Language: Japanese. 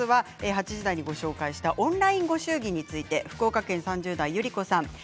８時台にご紹介したオンラインご祝儀について福岡県３０代の方です。